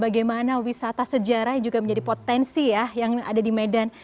bagaimana wisata sejarah yang juga menjadi potensi ya yang ada di medan